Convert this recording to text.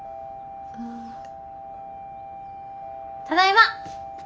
ただいま！